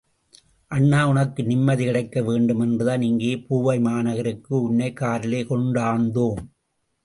அண்ணா, உனக்கு நிம்மதி கிடைக்க வேண்டுமென்றுதான் இங்கே பூவைமாநகருக்கு உன்னைக் காரிலே கொண்டாந்தோம்.